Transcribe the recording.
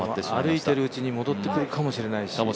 歩いてるうちに戻ってくるかもしれないし。